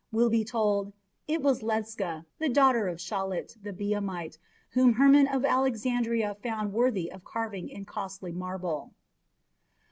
will be told, 'It was Ledscha, the daughter of Shalit, the Biamite, whom Hermon of Alexandria found worthy of carving in costly marble."